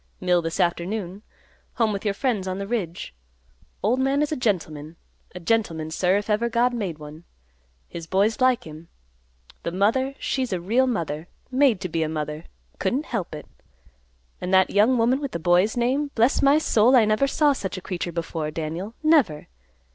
Mill this afternoon. Home with your friends on the ridge. Old man is a gentleman, a gentleman, sir, if God ever made one. His boy's like him. The mother, she's a real mother; made to be a mother; couldn't help it. And that young woman, with the boy's name, bless my soul, I never saw such a creature before, Daniel, never!